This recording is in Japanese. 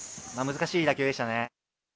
難しい打球でしたね。